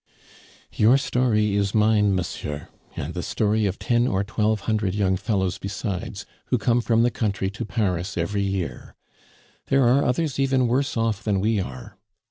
"Your story is mine, monsieur, and the story of ten or twelve hundred young fellows besides who come from the country to Paris every year. There are others even worse off than we are.